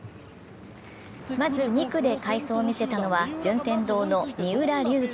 まず２区で快走を見せたのは順天堂の三浦龍司。